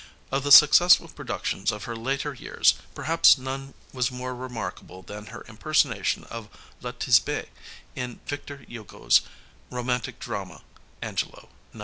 Of the successful productions of her later years perhaps none was more remarkable than her impersonation of La Tisbé in Victor Hugo's romantic drama Angelo (1905).